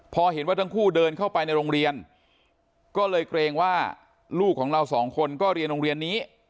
พอเห็นว่าทั้งคู่เดินเข้าไปในโรงเรียนก็เลยเกรงว่าลูกของเราสองคนก็เรียนโรงเรียนนี้